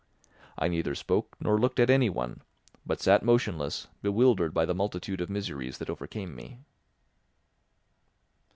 I neither spoke nor looked at anyone, but sat motionless, bewildered by the multitude of miseries that overcame me.